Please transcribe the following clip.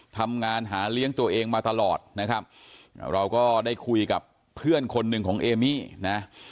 ทำงานหาเลี้ยงตัวเองมาตลอดนะครับเราก็ได้คุยกับเพื่อนคนหนึ่งของเอมี่นะ